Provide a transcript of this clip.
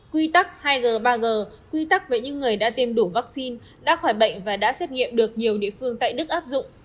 quy tắc hai g ba g quy tắc với những người đã tiêm đủ vaccine đã khỏi bệnh và đã xét nghiệm được nhiều địa phương tại đức áp dụng